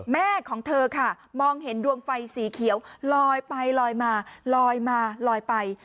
แม่ของเธอค่ะมองเห็นดวงไฟสีเขียวลอยไปลอยมาลอยมาลอยไป